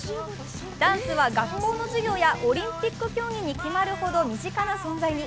ダンスは学校の授業やオリンピック競技に決まるほど身近な存在に。